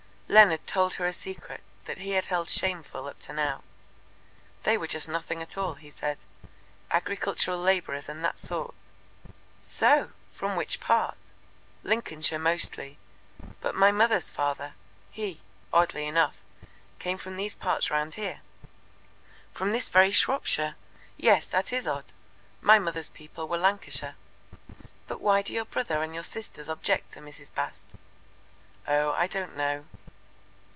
Leonard told her a secret that he had held shameful up to now. "They were just nothing at all," he said, " agricultural labourers and that sort." "So! From which part?" "Lincolnshire mostly, but my mother's father he, oddly enough, came from these parts round here." "From this very Shropshire. Yes, that is odd. My mother's people were Lancashire. But why do your brother and your sisters object to Mrs. Bast?" "Oh, I don't know."